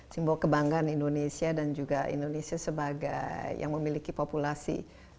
simbol kebanggaan indonesia dan juga indonesia sebagai yang memiliki populasi